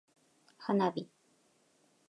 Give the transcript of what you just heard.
花火